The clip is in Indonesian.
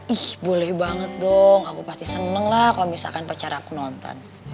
ih boleh banget dong aku pasti seneng lah kalau misalkan pacar aku nonton